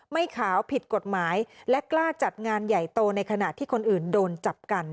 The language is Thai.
ไม่ขาวผิดกฎหมายและกล้าจัดงานใหญ่โตในขณะที่คนอื่นโดนจับกัน